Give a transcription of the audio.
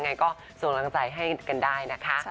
ง่ายก็ส่งรังใจให้กันได้นะคะ